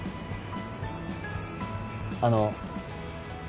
あの。